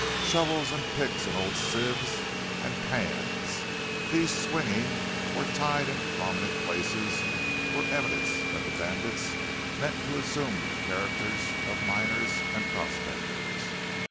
Shovels and picks and old sieves and pans, these swinging or tied in prominent places, were evidence that the bandits meant to assume the characters of miners and prospectors.